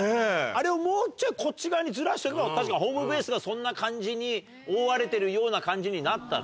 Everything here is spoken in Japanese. あれをもうちょいこっち側にずらしていけば確かにホームベースがそんな感じに覆われてるような感じになったの。